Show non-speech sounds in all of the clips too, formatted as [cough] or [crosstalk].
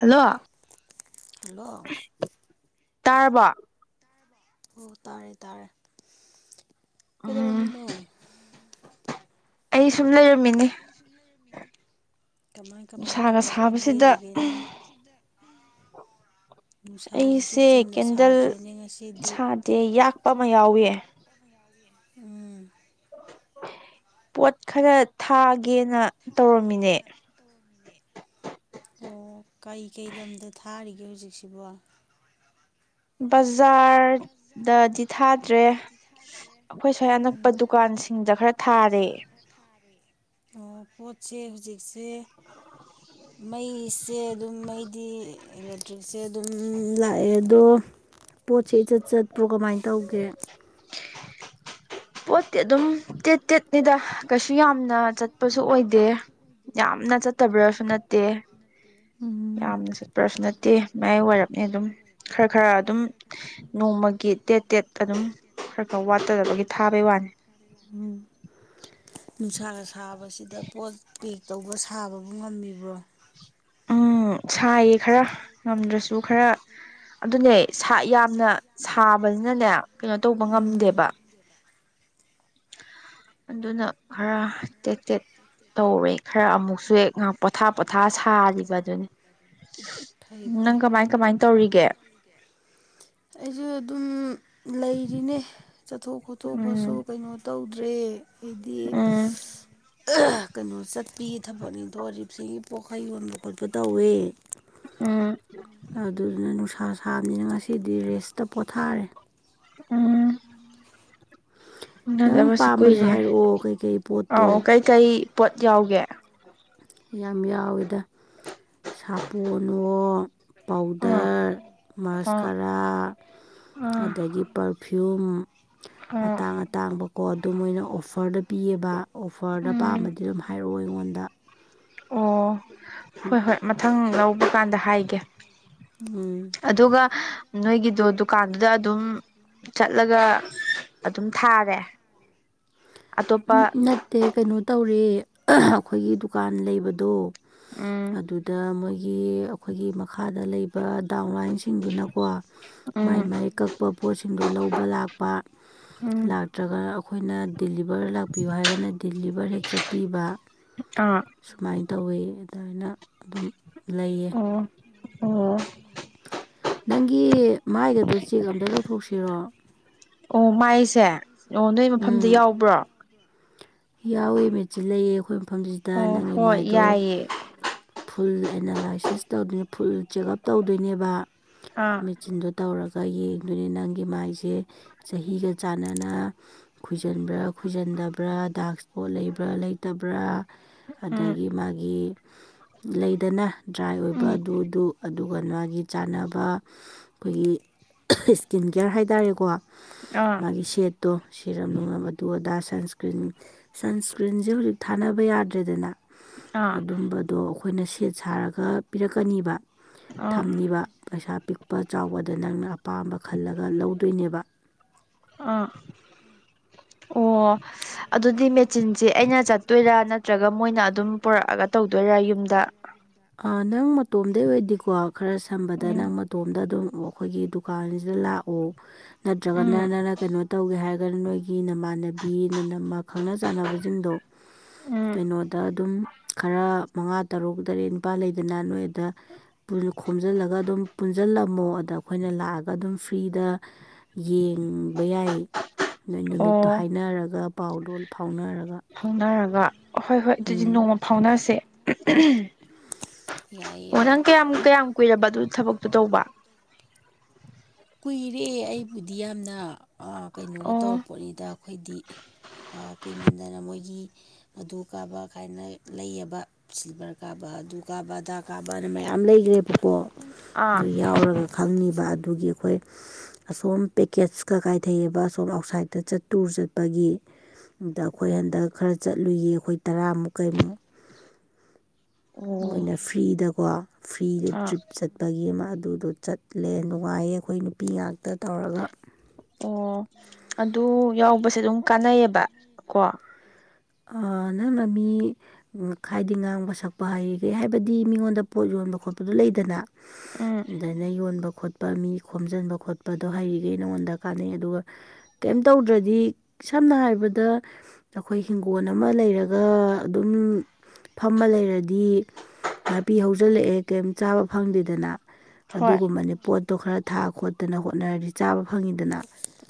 hello hello ꯇꯥꯔꯕ ꯑꯣ ꯇꯥꯔꯦ ꯇꯥꯔꯦ ꯎꯝ ꯀꯩꯗꯧꯔꯝꯃꯤꯅꯣ ꯑꯩ ꯁꯨꯝ ꯂꯩꯔꯝꯃꯤꯅꯦ ꯀꯃꯥꯏ ꯀꯃꯥꯏ ꯅꯨꯡꯁꯥꯒ ꯇꯧꯔꯒ ꯁꯥꯕꯁꯤꯗ ꯂꯦꯜꯂꯤꯒꯦꯅꯦ ꯁꯤꯗ ꯑꯩꯁꯦ ꯀꯦꯟꯗꯜ ꯉꯁꯤꯗꯤ ꯁꯥꯗꯦ ꯌꯥꯛꯄ ꯑꯃ ꯌꯥꯎꯋꯦ ꯎꯝ ꯄꯣꯠ ꯈꯔ ꯊꯥꯒꯦꯅ ꯇꯧꯔꯝꯃꯤꯅꯦ ꯑꯣ ꯀꯩꯀꯩ ꯂꯝꯗ ꯊꯥꯔꯤꯒꯦ ꯍꯧꯖꯤꯛꯁꯤꯕꯣ ꯕꯖꯥꯔꯗꯗꯤ ꯊꯥꯗ꯭ꯔꯦ ꯑꯩꯈꯣꯏ ꯁ꯭ꯋꯥꯏ ꯑꯅꯛꯄ ꯎꯝ ꯗꯨꯀꯥꯟꯁꯤꯡꯗ ꯈꯔ ꯊꯥꯔꯦ ꯑꯣ ꯄꯣꯠꯁꯦ ꯍꯧꯖꯤꯛꯁꯦ ꯃꯩꯁꯦ ꯑꯗꯨꯝ ꯃꯩꯗꯤ ꯏꯂꯦꯛꯇ꯭ꯔꯤꯛꯁꯦ ꯑꯗꯨꯝ ꯂꯥꯛꯑꯦ ꯑꯗꯣ ꯄꯣꯠꯁꯦ ꯏꯆꯠ ꯆꯠꯄ꯭ꯔꯣ ꯀꯃꯥꯏꯅ ꯇꯧꯒꯦ ꯄꯣꯠꯇꯤ ꯑꯗꯨꯝ ꯇꯦꯠ ꯇꯦꯠꯅꯤꯗ ꯀꯩꯁꯨ ꯌꯥꯝꯅ ꯆꯠꯄꯁꯨ ꯑꯣꯏꯗꯦ ꯌꯥꯝꯅ ꯆꯠꯇꯕ꯭ꯔꯁꯨ ꯅꯠꯇꯦ ꯎꯝ ꯌꯥꯝꯅ ꯆꯠ ꯄ꯭ꯔꯁꯨ ꯅꯠꯇꯦ ꯃꯌꯥꯏ ꯋꯥꯏꯔꯞꯅꯦ ꯑꯗꯨꯝ ꯈꯔ ꯈꯔ ꯑꯗꯨꯝ ꯅꯣꯡꯃꯒꯤ ꯇꯦꯠ ꯇꯦꯠ ꯑꯗꯨꯝ ꯈꯔ ꯈꯔ ꯋꯥꯠꯇꯗꯕꯒꯤ ꯊꯥꯕꯩ ꯋꯥꯅꯤ ꯎ ꯅꯨꯡꯁꯥꯒ ꯁꯥꯕꯁꯤꯗ ꯄꯣꯠ ꯄꯤ ꯑ ꯇꯧꯕ ꯁꯥꯕꯕꯨ ꯉꯝꯃꯤꯕ꯭ꯔꯣ ꯎꯝ ꯁꯥꯏꯌꯦ ꯈꯔ ꯉꯝꯗ꯭ꯔꯁꯨ ꯈꯔ ꯑꯗꯨꯅꯦ ꯌꯥꯝꯅ ꯁꯥꯕꯅꯤꯅꯅꯦ ꯀꯩꯅꯣ ꯇꯧꯕ ꯎꯝ ꯉꯝꯗꯦꯕ ꯑꯗꯨꯅ ꯈꯔ ꯇꯦꯠ ꯇꯦꯠ ꯇꯧꯔꯦ ꯈꯔ ꯑꯃꯨꯛꯁꯨ ꯍꯦꯛ ꯉꯥꯛ ꯄꯣꯊꯥ ꯄꯣꯊꯥ ꯁꯥꯔꯤꯕ ꯑꯗꯨꯅꯤ ꯐꯩ ꯐꯩ ꯅꯪ ꯀꯃꯥꯏ ꯀꯃꯥꯏ ꯇꯧꯔꯤꯒꯦ ꯑꯩꯁꯨ ꯑꯗꯨꯝ ꯂꯩꯔꯤꯅꯦ ꯆꯠꯊꯣꯛ ꯈꯣꯠꯇꯣꯛꯄꯁꯨ ꯎꯝ ꯀꯩꯅꯣ ꯇꯧꯗ꯭ꯔꯦ ꯍꯥꯏꯗꯤ ꯎꯝ ꯀꯩꯅꯣ ꯆꯠꯄꯤꯒꯤ ꯊꯕꯛꯅꯤꯗꯣꯔꯤꯕꯁꯤ ꯄꯣꯛ ꯐꯩ ꯌꯣꯟꯕ ꯈꯣꯠꯄ ꯇꯧꯋꯦ ꯎꯝ ꯑꯗꯨꯗꯨꯅ ꯅꯨꯡꯁꯥ ꯁꯥꯕꯅꯤꯅ ꯉꯁꯤꯗꯤ ꯔꯦꯁꯇ ꯄꯣꯊꯥꯔꯦ ꯎꯝ ꯅꯪ ꯎꯅꯗꯕꯁꯨ ꯄꯥꯝꯕꯁꯨ ꯀꯨꯏꯔꯦ ꯍꯥꯏꯔꯛꯑꯣ ꯀꯩꯀꯩ ꯑ ꯄꯣꯠꯇꯣ ꯀꯩꯀꯩ ꯄꯣꯠ ꯌꯥꯎꯒꯦ ꯌꯥꯝ ꯌꯥꯎꯋꯤꯗ ꯁꯥꯄꯣꯟꯅꯣ ꯑꯥ ꯄꯥꯎꯗꯔ ꯑꯥ ꯃꯥꯁꯀꯥꯔ ꯈꯔꯥ ꯑꯥ ꯑꯗꯒꯤ ꯄꯔꯐꯤꯌꯨꯝ ꯑꯥ ꯑꯇꯥꯡ ꯑꯇꯥꯡꯕꯀꯣ ꯑꯗꯨ ꯃꯣꯏꯅ ꯑꯣꯐꯔꯗ ꯄꯤꯌꯦꯕ ꯑꯣꯐꯔꯗ ꯎꯝ ꯄꯥꯝꯃꯗꯤ ꯑꯗꯨꯝ ꯍꯥꯏ ꯍꯥꯏꯔꯣ ꯑꯩꯉꯣꯟꯗ ꯑꯣ ꯍꯣꯏ ꯍꯣꯏ ꯃꯊꯪ ꯂꯧꯕ ꯀꯥꯟꯗ ꯍꯥꯏꯒꯦ ꯎꯝ ꯑꯗꯨꯒ ꯅꯣꯏꯒꯤꯗꯣ ꯗꯨꯀꯥꯟꯗꯨꯗ ꯑꯗꯨꯝ ꯆꯠꯂꯒ ꯑꯗꯨꯝ ꯊꯥꯔꯦ ꯑꯇꯣꯞꯄ ꯎꯝ ꯅꯠꯇꯦ ꯀꯩꯅꯣ ꯇꯧꯔꯦ [unintelligible] ꯑꯩꯈꯣꯏꯒꯤ ꯗꯨꯀꯥꯟ ꯂꯩꯕꯗꯣ ꯎꯝ ꯑꯗꯨꯗ ꯃꯣꯏꯒꯤ ꯑꯈꯣꯏꯒꯤ ꯃꯈꯥꯗ ꯂꯩ ꯄ ꯗꯥꯎꯟ ꯂꯥꯏꯟꯁꯤꯡꯗꯨꯅꯀꯣ ꯃꯥꯏ ꯎꯝ ꯃꯥꯏ ꯀꯛꯄ ꯄꯣꯠꯁꯤꯡꯗꯣ ꯂꯧꯕ ꯂꯥꯛ ꯄꯥ ꯎꯝ ꯂꯥꯛꯇ꯭ꯔꯒ ꯑꯈꯣꯏꯅ ꯗꯤꯂꯤ ꯕꯔ ꯂꯥꯛꯄꯤꯌꯣ ꯍꯥꯏꯔꯒꯅ ꯗꯤꯂꯤꯕꯔ ꯍꯦꯛ ꯆꯠꯄꯤꯕ ꯑꯥ ꯁꯨꯃꯥꯏꯟ ꯇꯧꯋꯦ ꯑꯗꯨꯃꯥꯏꯅ ꯑꯗꯨꯝ ꯂꯩꯌꯦ ꯑꯣ ꯑꯣ ꯅꯪꯒꯤ ꯃꯥꯏꯒꯗꯣ ꯆꯦꯛ ꯑꯝꯇ ꯇꯧꯊꯣꯛꯁꯤꯔꯣ ꯑꯣ ꯃꯥꯏꯁꯦ ꯑꯣ ꯅꯣꯏ ꯃꯐꯝꯗ ꯎꯝ ꯌꯥꯎꯕ꯭ꯔꯣ ꯌꯥꯎꯋꯦ ꯃꯦꯆꯤꯟ ꯂꯩꯌꯦ ꯑꯩꯈꯣꯏ ꯃꯐꯝꯖꯤꯗ ꯑꯣ ꯅꯪꯒꯤ ꯍꯣꯏ ꯃꯥꯏꯗꯣ ꯌꯥꯏꯌꯦ ꯐꯨꯜ ꯑꯦꯅꯂꯥꯏꯁꯤꯁ ꯇꯧꯗꯣꯏꯅꯦ ꯐꯨꯜ ꯆꯦꯛꯑꯞ ꯇꯧꯗꯣꯏꯅꯦꯕ ꯑꯥ ꯆꯤꯟꯗꯣ ꯇꯧꯔꯒ ꯌꯦꯡꯗꯣꯏꯅꯤ ꯅꯪꯒꯤ ꯃꯥꯏꯁꯦ ꯆꯍꯤꯒ ꯆꯥꯟꯅꯅ ꯈꯨꯏꯖꯤꯟꯕ꯭ꯔꯥ ꯈꯨꯏꯖꯤꯟꯗꯕ꯭ꯔꯥ ꯗꯥꯛ ꯁ꯭ꯄꯣꯠ ꯂꯩꯕ꯭ꯔ ꯂꯩꯇꯕ꯭ꯔ ꯎꯝ ꯑꯗꯒꯤ ꯃꯥꯒꯤ ꯂꯩꯗꯅ ꯗ꯭ꯔꯥꯏ ꯑꯣꯏꯕ ꯎꯝ ꯑꯗꯨꯗꯨ ꯑꯗꯨꯒ ꯃꯥꯒꯤ ꯆꯥꯅꯕ ꯈꯣꯏꯒꯤ ꯁ꯭ꯀꯤꯟ ꯀꯤꯌꯔ ꯍꯥꯏꯇꯥꯥꯔꯦꯀꯣ ꯑꯥ ꯃꯥꯒꯤ ꯁꯦꯠ ꯇꯣ ꯁꯤꯔꯝ ꯅꯨꯡꯂꯝ ꯑꯗꯨ ꯑꯗꯥ ꯁꯟꯁꯀ꯭ꯔꯤꯟ ꯁꯟꯁꯀ꯭ꯔꯤꯟꯖꯦ ꯍꯨꯖꯤꯛ ꯊꯥꯅꯕ ꯌꯥꯗ꯭ꯔꯦꯗꯅ ꯑꯥ ꯑꯗꯨꯝꯕꯗꯣ ꯑꯩꯈꯣꯏꯅ ꯁꯦꯠ ꯁꯥꯔꯒ ꯄꯤꯔꯛꯀꯅꯤꯕ ꯑꯥ ꯊꯝꯅꯤꯕ ꯄꯩꯁꯥ ꯄꯤꯛꯄ ꯆꯥꯎꯕ ꯑꯗ ꯅꯪꯅ ꯑꯄꯥꯝꯕ ꯈꯜꯂꯒ ꯂꯧꯗꯣꯏꯅꯦꯕ ꯑꯥ ꯑꯣ ꯑꯗꯨꯗꯤ ꯃꯦꯆꯤꯟꯖꯦ ꯑꯩꯅ ꯆꯠꯇꯣꯏꯔꯥ ꯅꯠꯇ꯭ꯔꯒ ꯃꯣꯏꯅ ꯑꯗꯨꯝ ꯄꯨꯔꯛꯑꯒ ꯇꯧꯗꯣꯏꯔꯥ ꯌꯨꯝꯗ ꯑ ꯅꯪ ꯃꯇꯣꯝꯗꯩ ꯑꯣꯏꯗꯤꯀꯣ ꯈꯔ ꯁꯝꯕꯗ ꯎꯝ ꯅꯪ ꯇꯣꯝꯗ ꯑꯗꯨꯝ ꯑꯩꯈꯣꯏꯒꯤ ꯗꯨꯀꯥꯟꯖꯤꯗ ꯂꯥꯛꯑꯣ ꯅꯠꯇ꯭ꯔꯒ ꯎꯝ ꯅꯅ ꯀꯩꯅꯣ ꯇꯧꯒꯦ ꯍꯥꯏꯔ ꯅꯣꯏꯒꯤ ꯅꯃꯥꯟꯅꯕꯤ ꯅꯅꯝꯃ ꯈꯪꯅ ꯆꯥꯟꯅꯕꯖꯤꯡꯗꯣ ꯎꯝ ꯀꯩꯅꯣꯗ ꯑꯗꯨꯝ ꯈꯔ ꯃꯉꯥ ꯇꯔꯨꯛ ꯇꯔꯦꯠ ꯅꯤꯄꯥꯟ ꯂꯩꯗꯅ ꯅꯣꯏꯗ ꯈꯣꯝꯖꯤꯜꯂꯒ ꯑꯗꯨꯝ ꯄꯨꯟꯖꯜꯂꯝꯃꯣ ꯑꯗ ꯑꯩꯈꯣꯏꯅ ꯂꯥꯛꯑꯒ ꯑꯗꯨꯝ ꯐ꯭ꯔꯤꯗ ꯌꯦꯡꯕ ꯌꯥꯏ ꯅꯣꯏ ꯑꯣ ꯅꯨꯃꯤꯠꯇꯣ ꯍꯥꯏꯅꯔꯒ ꯄꯥꯎ ꯂꯣꯟ ꯐꯥꯎꯅꯔꯒ ꯐꯥꯎꯅꯔꯒ ꯍꯣꯏ ꯍꯣꯏ ꯑꯗꯨꯗꯤ ꯎꯝ ꯅꯣꯡꯃ ꯐꯥꯎꯅꯁꯦ ꯌꯥꯏꯌꯦ [unintelligible] ꯑꯣ ꯌꯥꯏꯌꯦ ꯅꯪ ꯀꯌꯥꯝ ꯀꯌꯥꯝ ꯀꯨꯏꯔꯕ ꯑꯗꯨ ꯊꯕꯛꯇꯣ ꯇꯧꯕ ꯀꯨꯏꯔꯦ ꯑꯩꯕꯨꯗꯤ ꯌꯥꯝꯅ ꯑ ꯀꯩꯅꯣꯒ ꯑꯣ ꯇꯧꯔꯄꯣꯠꯅꯤꯗ ꯑꯈꯣꯏꯗꯤ ꯑ ꯀꯨꯏꯃꯟꯗꯅ ꯃꯣꯏꯒꯤ ꯑꯗꯨ ꯀꯥꯕ ꯀꯥꯏꯅ ꯂꯩꯑꯕ ꯁꯤꯜꯚꯔ ꯀꯥꯕ ꯑꯗꯨ ꯀꯥꯕ ꯑꯗꯥ ꯀꯥꯕꯅ ꯃꯌꯥꯝ ꯂꯩꯒ꯭ꯔꯦꯕꯀꯣ ꯑꯥ ꯗꯨ ꯌꯥꯎꯔꯒ ꯈꯪꯅꯤꯕ ꯑꯗꯨꯒꯤ ꯍꯣꯏ ꯑꯁꯣꯝ ꯄꯦꯀꯦꯠꯁꯀ ꯀꯥꯏꯊꯩꯑꯦꯕ ꯑꯁꯣꯝ ꯑꯥꯎꯠꯁꯥꯏꯗꯇ ꯆꯠ ꯇꯨꯔ ꯆꯠꯄꯒꯤ ꯗ ꯑꯩꯈꯣꯏ ꯍꯟꯗꯛ ꯈꯔ ꯆꯠꯂꯨꯏꯌꯦ ꯑꯩꯈꯣꯏ ꯇꯔꯥꯃꯨꯛ ꯀꯩꯃꯨꯛ ꯑꯣ ꯃꯣꯏꯅ ꯐ꯭ꯔꯤꯗꯀꯣ ꯐ꯭ꯔꯤꯗ ꯑꯥ ꯇ꯭ꯔꯤꯞ ꯆꯠ ꯇꯥꯒꯤ ꯑꯃ ꯑꯗꯨꯗꯣ ꯆꯠꯂꯦ ꯅꯨꯡꯉꯥꯏꯌꯦ ꯑꯩꯈꯣꯏ ꯅꯨꯄꯤ ꯉꯥꯛꯇ ꯇꯧꯔꯒ ꯑꯣ ꯑꯗꯨ ꯌꯥꯎꯕꯁꯦ ꯑꯗꯨꯝ ꯀꯥꯟꯅꯩꯌꯦꯕ ꯀꯣ ꯑ ꯅꯪꯅ ꯃꯤ ꯈꯥꯏꯗꯤ ꯉꯥꯡꯕ ꯁꯛꯄ ꯍꯩꯔꯤꯒꯩ ꯍꯥꯏꯕꯗꯤ ꯃꯤꯉꯣꯟꯗ ꯄꯣꯠ ꯌꯣꯟꯕ ꯈꯣꯠꯄꯗꯨ ꯂꯩꯗꯅ ꯎꯝ ꯑꯗꯨꯃꯥꯏꯅ ꯌꯣꯟꯕ ꯈꯣꯠ ꯄꯥ ꯃꯤ ꯈꯣꯝꯖꯤꯟꯕ ꯈꯣꯠꯄꯗꯣ ꯍꯩꯔꯤꯈꯩ ꯅꯉꯣꯟꯗ ꯀꯥꯟꯅꯩ ꯑꯗꯨꯒ ꯀꯩꯝ ꯇꯧꯗ꯭ꯔꯗꯤ ꯁꯝꯅ ꯍꯥꯏꯔꯕꯗ ꯑꯈꯣꯏ ꯍꯤꯡꯒꯣꯜ ꯑꯃ ꯂꯩꯔꯒ ꯑꯗꯨꯝ ꯐꯝꯃ ꯂꯩꯔꯗꯤ ꯅꯥꯄꯤ ꯍꯧꯖꯤꯜꯂꯛꯑꯦ ꯀꯩꯝ ꯆꯥꯕ ꯐꯪꯗꯦꯗꯅ ꯍꯣꯏ ꯑꯗꯨꯒꯨꯝꯕꯅꯤ ꯄꯣꯠꯇꯣ ꯈꯔ ꯊꯥ ꯈꯣꯠꯇꯅ ꯍꯣꯠꯅꯔꯗꯤ ꯆꯥꯕ ꯐꯪꯉꯤꯗꯅ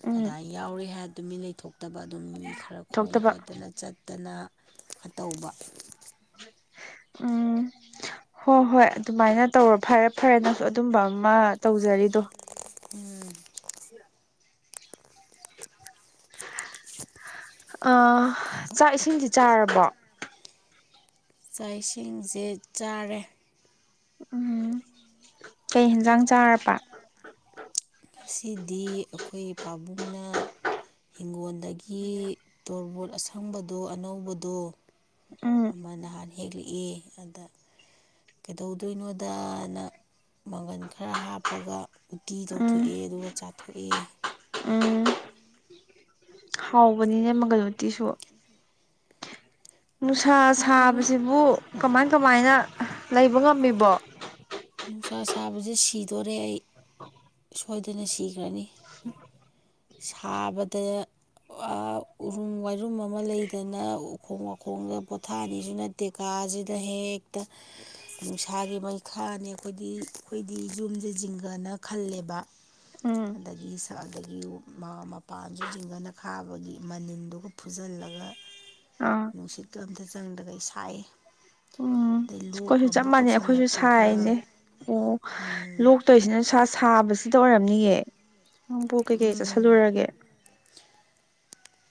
ꯎꯝ ꯌꯥꯎꯔꯦ ꯍꯥꯏ ꯇꯨꯃꯤꯟ ꯂꯩꯊꯣꯛꯇꯕ ꯑꯗꯨꯝ ꯃꯤ ꯈꯔ ꯈꯣꯝ ꯊꯣꯛꯇꯕ ꯈꯣꯠ ꯆꯠꯇꯅ ꯑ ꯇꯧꯕ ꯎꯝ ꯍꯣꯏ ꯍꯣꯏ ꯑꯗꯨꯃꯥꯏꯅ ꯇꯧꯔꯣ ꯐꯔꯦ ꯐꯔꯦ ꯅꯪꯁꯨ ꯑꯗꯨꯝꯕ ꯑꯃ ꯇꯧꯖꯔꯤꯗꯣ ꯎꯝ [unintelligible] [unintelligible] ꯑꯥ ꯆꯥꯛ ꯏꯁꯤꯡꯗꯤ ꯆꯥꯔꯕꯣ ꯆꯥꯛ ꯏꯁꯤꯡꯖꯦ ꯆꯥꯔꯦ ꯎꯝ ꯀꯩ ꯍꯦꯟꯖꯥꯡ ꯆꯥꯔꯕ ꯉꯁꯤꯗꯤ ꯑꯈꯣꯏ ꯄꯥꯕꯨꯡꯅ ꯍꯤꯡꯒꯣꯜꯗꯒꯤ ꯇꯣꯔꯕꯣꯠ ꯑꯁꯪꯕꯗꯣ ꯑꯅꯧꯕꯗꯣ ꯎꯝ ꯑꯃ ꯅꯍꯥꯟ ꯍꯦꯛꯂꯛꯑꯦ ꯑꯗꯥ ꯀꯩꯗꯧꯗꯣꯏꯅꯣꯗꯅ ꯃꯪꯒꯟ ꯈꯔ ꯍꯥꯞꯄꯒ ꯎꯇꯤ ꯎꯝ ꯇꯧꯊꯣꯛꯑꯦ ꯑꯗꯨꯒ ꯆꯥꯊꯣꯛꯑꯦ ꯎꯝ ꯍꯥꯎꯕꯅꯤꯅꯦ ꯃꯪꯒꯟ ꯎꯇꯤꯁꯨ ꯅꯨꯡꯁꯥ ꯍꯥꯎꯋꯤ ꯁꯥꯕꯁꯤꯕꯨ ꯀꯃꯥꯏ ꯀꯃꯥꯏꯅ ꯂꯩꯕ ꯉꯝꯃꯤꯕꯣ ꯅꯨꯡꯁꯥ ꯁꯥꯕꯁꯦ ꯁꯤꯗꯣꯔꯦ ꯑꯩ ꯁꯣꯏꯗꯅ ꯁꯤꯈ꯭ꯔꯅꯤ [unintelligible] ꯁꯥꯕꯗ ꯑꯥ ꯎꯔꯨꯝ ꯋꯥꯏꯔꯨꯝ ꯑꯃ ꯂꯩꯗꯅ ꯎꯈꯣꯡ ꯋꯥꯈꯣꯡꯗ ꯄꯣꯊꯥꯅꯤꯁꯨ ꯅꯠ ꯇꯦ ꯀꯥꯁꯤꯗ ꯍꯦꯛꯇ ꯅꯨꯡꯁꯥꯒꯤ ꯃꯩꯈꯥ ꯍꯥꯅꯦ ꯑꯈꯣꯏꯗꯤ ꯑꯈꯣꯏꯗꯤ ꯌꯨꯝꯖꯦ ꯖꯤꯡꯒꯅ ꯈꯜꯂꯦꯕ ꯎꯝ ꯑꯗꯒꯤ ꯁꯥꯗꯒꯤ ꯃꯥ ꯃꯄꯥꯟꯁꯨ ꯖꯤꯡꯒꯅ ꯈꯥꯕꯒꯤ ꯃꯅꯤꯟꯗꯨꯒ ꯐꯨꯖꯤꯜꯂꯒ ꯑꯥ ꯅꯨꯡꯁꯤꯠꯀ ꯑꯝꯇ ꯆꯪꯗꯈꯩ ꯁꯥꯏ ꯑꯗꯩ ꯂꯣꯛꯀ ꯑꯃꯨꯛ ꯇꯧꯁꯜꯂꯛꯄ ꯀꯥꯏꯅꯦ ꯑꯣ ꯂꯣꯛꯇꯧꯁꯤꯅ ꯁꯥ ꯁꯥꯕꯁꯤꯗ ꯑꯣꯏꯔꯝꯅꯤꯌꯦ ꯅꯪꯕꯨ ꯀꯩꯀꯩ ꯎꯝ ꯆꯥꯁꯤꯜꯂꯨꯔꯒꯦ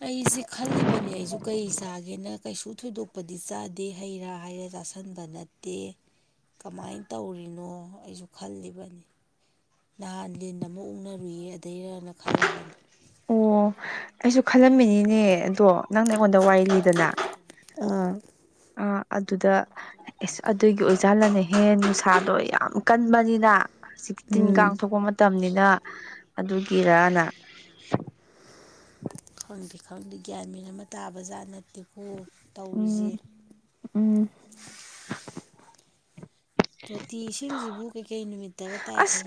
ꯑꯩꯁꯦ ꯈꯜꯂꯤꯕꯅꯦ ꯑꯩꯖꯨ ꯀꯩ ꯆꯥꯒꯦꯅ ꯀꯩꯁꯨ ꯊꯣꯏꯗꯣꯛꯄꯗꯤ ꯆꯥꯗꯦ ꯍꯩꯔꯥ ꯍꯥꯏꯔꯦ ꯆꯥꯁꯤ ꯁꯤꯟꯕ ꯅꯠꯇꯦ ꯀꯃꯥꯏꯅ ꯇꯧꯔꯤꯅꯣ ꯑꯩꯁꯨ ꯈꯜꯂꯤꯕꯅꯤ ꯅꯍꯥꯟ ꯂꯤꯟ ꯑꯃ ꯑꯣꯛꯅꯔꯨꯏꯌꯦ ꯑꯗꯩꯔꯅ ꯈꯜꯂꯕꯅꯤ ꯑꯣ ꯑꯩꯁꯨ ꯈꯜꯂꯝꯃꯤꯅꯤꯅꯦ ꯑꯗꯣ ꯅꯪꯅ ꯑꯩꯉꯣꯟꯗ ꯋꯥꯔꯤ ꯂꯤꯗꯅ ꯑꯥ ꯑꯥ ꯑꯗꯨꯗ ꯏꯁ ꯑꯗꯨꯒꯤ ꯑꯣꯏꯖꯥꯠꯂꯅꯦꯍꯦ ꯅꯨꯡꯁꯥꯗꯣ ꯌꯥꯝ ꯀꯟꯕꯅꯤꯅ ꯁꯤꯛꯁꯇꯤꯟ ꯀꯥꯡ ꯎꯝ ꯊꯣꯛꯄ ꯃꯇꯝꯅꯤꯅ ꯑꯗꯨꯒꯤꯔꯅꯥ ꯈꯪꯗꯦ ꯈꯪꯗꯦ ꯒ꯭ꯌꯥꯟꯃꯦꯟ ꯑꯃ ꯇꯥꯕ ꯖꯥꯠ ꯅꯠꯇꯦꯀꯣ ꯎꯝ ꯇꯧꯔꯤꯖ‌ꯦ ꯎꯝ ꯇꯣꯇꯤ ꯏꯁꯤꯡꯖꯤꯕꯨ ꯀꯩꯀꯩ ꯅꯨꯃꯤꯠ ꯑꯁ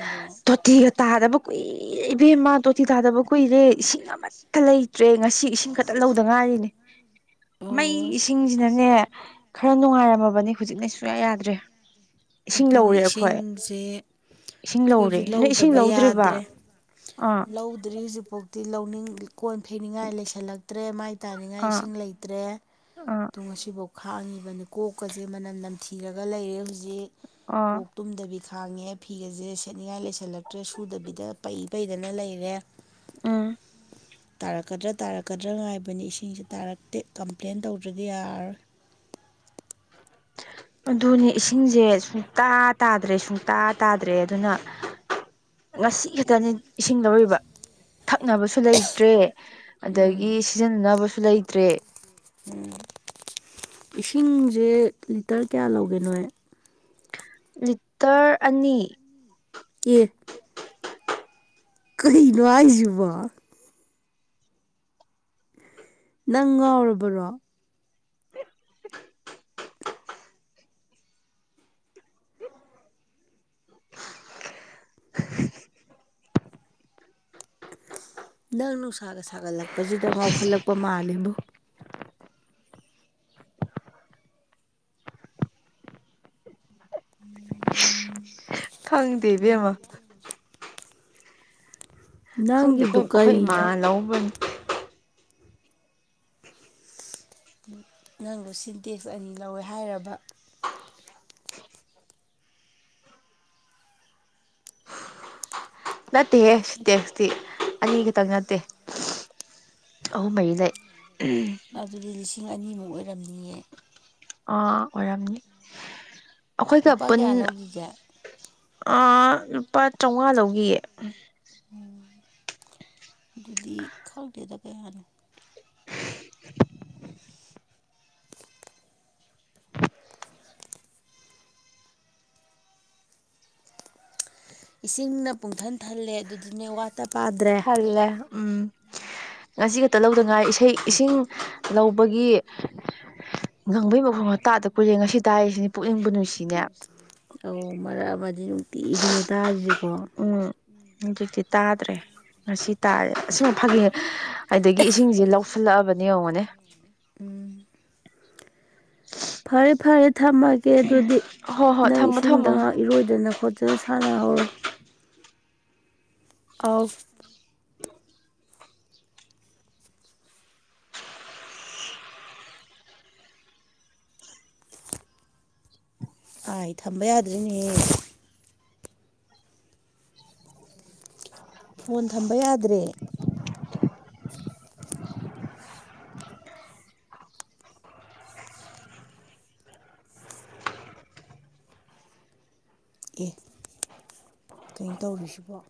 ꯇꯣꯇꯤꯒ ꯇꯥꯗꯕ ꯀꯨꯏꯔꯦ ꯏꯕꯦꯝꯃ ꯇꯣꯇꯤ ꯇꯥꯗꯕ ꯀꯨꯏꯔꯦ ꯏꯁꯤꯡ ꯑꯝ ꯃꯠꯇ ꯂꯩꯇ꯭ꯔꯦ ꯉꯁꯤ ꯏꯁꯤꯡ ꯈꯛꯇ ꯂꯧꯗ ꯉꯥꯏꯔꯤꯅꯦ ꯃꯩ ꯑꯣ ꯏꯁꯤꯡꯁꯤꯅꯅꯦ ꯈꯔ ꯅꯨꯡꯉꯥꯏꯔꯝꯃꯕꯅꯦ ꯍꯨꯖꯤꯛꯅ ꯁꯨꯡꯌꯥ ꯌꯥꯗ꯭ꯔꯦ ꯏꯁꯤꯡ ꯂꯧꯔꯦ ꯑꯈꯣꯏ ꯁꯦ ꯈꯣꯏꯖꯨ ꯏꯁꯤꯡ ꯂꯧꯗꯕ ꯂꯧꯗ꯭ꯔꯤꯕ ꯌꯥꯗ꯭ꯔꯦ ꯑꯥ ꯂꯧꯗ꯭ꯔꯤ ꯖꯤꯛꯐꯥꯎ ꯇꯤ ꯂꯧꯅꯤꯡ ꯀꯣꯟ ꯐꯩꯅꯤꯡꯉꯥꯏ ꯂꯩꯁꯜꯂꯛꯇ꯭ꯔꯦ ꯃꯥꯏ ꯇꯥꯅꯤꯡꯉꯥꯏ ꯑꯥ ꯏꯁꯤꯡ ꯂꯩꯇ꯭ꯔꯦ ꯑꯥ ꯗꯣ ꯉꯁꯤꯐꯥꯎ ꯈꯥꯡꯉꯤꯕꯅꯤ ꯀꯣꯛꯀꯁꯦ ꯃꯅꯝ ꯅꯝꯊꯤꯔꯒ ꯂꯩꯔꯦ ꯍꯧꯖꯤꯛ ꯑꯥ ꯀꯣꯛ ꯇꯨꯝꯗꯕꯤ ꯈꯥꯡꯉꯦ ꯐꯤꯒꯁꯦ ꯁꯦꯠꯅꯤꯡꯉꯥꯏ ꯂꯩꯁꯜꯂꯛꯇ꯭ꯔꯦ ꯁꯨꯗꯕꯤꯗ ꯄꯩ ꯄꯩꯗꯅ ꯂꯩꯔꯦ ꯎꯝ ꯇꯥꯔꯛꯀꯗ꯭ꯔꯥ ꯇꯥꯔꯛꯀꯗ꯭ꯔꯥ ꯉꯥꯏꯕꯅꯤ ꯏꯁꯤꯡꯁꯦ ꯇꯥꯔꯛꯇꯦ ꯀꯝꯄ꯭ꯂꯦꯟ ꯇꯧꯗ꯭ꯔꯗꯤ ꯌꯥꯔꯔꯣꯏ ꯑꯗꯨꯅꯦ ꯏꯁꯤꯡꯁꯦ ꯁꯨꯡ ꯇꯥ ꯇꯥꯗ꯭ꯔꯦ ꯁꯨꯡꯇꯥ ꯇꯥꯗ꯭ꯔꯦ ꯑꯗꯨꯅ ꯉꯁꯤ ꯈꯛꯇꯅꯦ ꯏꯁꯤꯡ ꯂꯧꯔꯤꯕ ꯊꯛꯅꯕꯁꯨ ꯂꯩ ꯇ꯭ꯔꯦ ꯑꯗꯒꯤ ꯁꯤꯖꯤꯟꯅꯅꯕꯁꯨ ꯂꯩꯇ꯭ꯔꯦ ꯎꯝ ꯏꯁꯤꯡꯖ‌ꯦ ꯂꯤꯇꯔ ꯀꯌꯥ ꯂꯧꯒꯦ ꯅꯣꯏ ꯂꯤꯇꯔ ꯑꯅꯤ ꯑꯦ ꯀꯩꯅꯣ ꯍꯥꯏꯖꯤꯕ‌ꯣ ꯅꯪ ꯉꯥꯎꯔꯕꯔꯣ ꯅꯪ ꯅꯨꯡꯁꯥꯒ ꯁꯥꯒꯠꯂꯛꯄꯖꯤꯗ ꯉꯥꯎꯈꯠꯂꯛꯄ ꯃꯥꯜꯂꯤꯕꯨ ꯎ ꯈꯪꯗꯦ ꯏꯕꯦꯝꯃꯥ ꯈꯪꯗꯦ ꯅꯪꯒꯤꯗꯨ ꯑꯈ‌ꯣꯏ ꯑꯈꯣꯏ ꯀꯔꯤꯅꯣ ꯏꯃꯥꯟ ꯂꯧꯕꯅꯤ ꯎꯝ ꯅꯪꯗ‌ꯣ ꯁꯤꯟꯇꯦꯛꯁ ꯑꯅꯤ ꯂꯧꯋꯦ ꯍꯥꯏꯔꯕ ꯅꯠꯇꯦꯍꯦ ꯁꯤꯇꯦꯛꯁꯇꯤ ꯑꯅꯤꯈꯛꯇꯪ ꯅꯠꯇꯦ ꯑꯍꯨꯝ ꯃꯔꯤ ꯂꯩ ꯑꯗꯨꯗꯤ ꯂꯤꯁꯤꯡ ꯑꯅꯤꯃꯨꯛ ꯑꯣꯏꯔꯝꯅꯤꯌꯦ ꯑꯥ ꯑꯣꯏꯔꯝꯅꯤ ꯑꯈꯣꯏꯒ ꯂꯨꯄꯥ ꯄꯨꯟ ꯀꯌꯥ ꯂꯧꯈꯤꯒꯦ ꯑ ꯂꯨꯄꯥ ꯆꯧꯉꯥ ꯂꯧꯒꯤꯌꯦ ꯎꯝ ꯑꯗꯨꯗꯤ ꯈꯪꯗꯦꯗ ꯀꯌꯥꯅꯣ [unintelligible] ꯏꯁꯤꯡꯅ ꯄꯨꯡꯊꯟ ꯊꯜꯂꯦ ꯑꯗꯨꯗꯤꯅꯦ ꯋꯥꯇ ꯊꯜꯂꯦ ꯎꯝ ꯉꯁꯤ ꯈꯛꯇ ꯂꯧꯗ ꯉꯥꯏ ꯏꯁꯩ ꯏꯁꯤꯡ ꯂꯧꯕꯒꯤ ꯉꯪꯕꯩ ꯃꯈ‌ꯣꯟꯒ ꯇꯥꯗ ꯀꯨꯏꯔꯦ ꯉꯁꯤ ꯇꯥꯏꯁꯤꯅꯤ ꯄꯨꯛꯅꯤꯡꯕꯨ ꯅꯨꯨꯡꯁꯤꯅꯦ ꯑꯧ ꯃꯔꯛ ꯑꯃꯗꯤ ꯅꯨꯡꯇꯤꯒꯤꯅꯦ ꯇꯥꯏꯁꯦꯀꯣ ꯎꯝ ꯍꯨꯖꯤꯛꯇꯤ ꯇꯥꯗ꯭ꯔꯦ ꯉꯁꯤ ꯇꯥꯔꯦ ꯑꯁꯤꯃ ꯐꯥꯒꯤ ꯑꯗꯒꯤ ꯏꯁꯤꯡꯁꯤ ꯂꯧꯁꯤꯜꯂꯛꯑꯕꯅꯦ ꯌꯦꯡꯉꯣꯅꯦ ꯎꯝ ꯍ ꯐꯥꯔꯦ ꯐꯥꯔꯦ ꯊꯝꯃꯒꯦ ꯑꯗꯨꯗꯤ ꯍꯣ ꯍꯣꯏ ꯅꯪ ꯊꯝꯃꯣ ꯏꯁꯤꯡꯗ ꯊꯝꯃꯣ ꯉꯥꯏꯍꯥꯛ ꯏꯔꯣꯏꯗꯅ ꯈꯣꯠ ꯖꯥꯅ ꯁꯥꯟꯅ ꯍꯧꯔꯣ ꯑꯥꯎ ꯑꯥꯏ ꯊꯝꯕ ꯌꯥꯗ꯭ꯔꯦꯅꯦꯍꯦ ꯐꯣꯟ ꯊꯝꯕ ꯌꯥꯗ꯭ꯔꯦ ꯀꯩꯟ ꯇꯧꯔꯤꯁꯤꯕꯣ